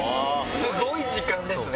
スゴい時間ですね！